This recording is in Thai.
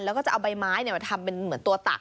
แล้วก็จะเอาใบไม้มาทำเป็นเหมือนตัวตัก